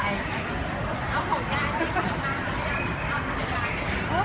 หลักหรือเปล่า